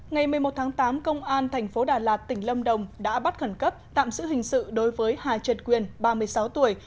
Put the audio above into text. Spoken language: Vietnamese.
ngày một mươi một tháng tám công an thành phố đà lạt tỉnh lâm đồng đã bắt khẩn cấp tạm giữ hình sự đối với hà trệt quyền ba mươi sáu tuổi